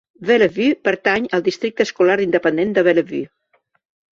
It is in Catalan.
Bellevue pertany al districte escolar independent de Bellevue.